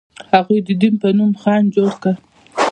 هغوی د دین په نوم خنډ جوړ کړ.